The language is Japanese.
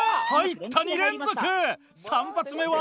３発目は？